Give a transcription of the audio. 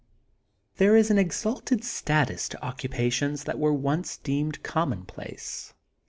There is an exalted status to occupa tions that were once deemed commonplace.